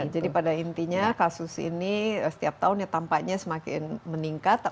jadi pada intinya kasus ini setiap tahun tampaknya semakin meningkat